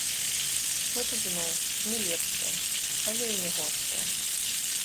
Мы тут зноў не лепшыя, але і не горшыя.